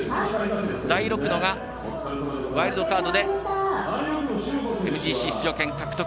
大六野、ワイルドカードでＭＧＣ出場権獲得。